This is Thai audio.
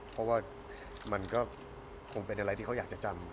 เพราะว่ามันก็คงเป็นอะไรที่เขาอยากจะจำ